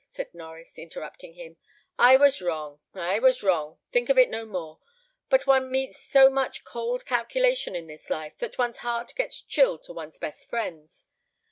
said Norries, interrupting him, "I was wrong, I was wrong: think of it no more; but one meets so much cold calculation in this life, that one's heart gets chilled to one's best friends.